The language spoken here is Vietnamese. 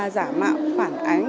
giả mạo khoản ánh